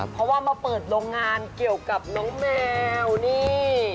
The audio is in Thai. เพราะว่ามาเปิดโรงงานเกี่ยวกับน้องแมวนี่